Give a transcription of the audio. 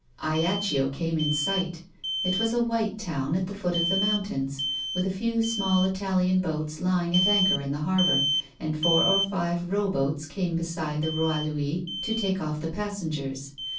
Ajaccio came in sight ; it was a white town at the foot of the moun tains, with a few small Italian boats lying at anchor in the harbour, and four or five row boats came beside the Hoi Louis to take off the passengers.